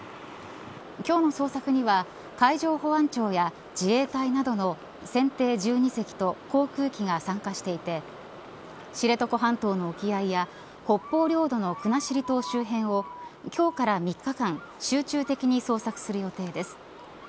今日の捜索には海上保安庁や自衛隊などの船艇１２隻と航空機が参加していて知床半島の沖合や北方領土の国後島周辺を今日から３日間集中的に捜索する予定です。